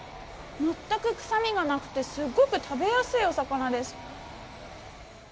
全く、くさみがなくてすごく食べやすいお魚です。